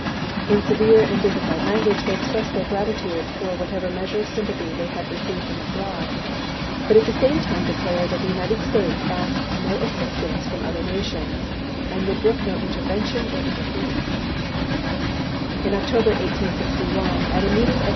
In severe and digni fied language they expressed their gratitude for whatever measure of sympathy they had received from abroad, but at the same time declared that the United States asked no assistance from other nations, and would brook no intervention or inter LINCOLN AND THE CHURCHES 317 ference. In October, 1864, at a meeting of the chap.